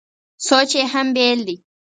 سوچ یې هم بېل دی.